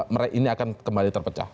mereka ini akan kembali terpecah